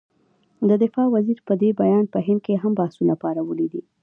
د دفاع وزیر دې بیان په هند کې هم بحثونه پارولي دي.